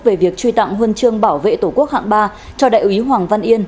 về việc truy tặng huân chương bảo vệ tổ quốc hạng ba cho đại úy hoàng văn yên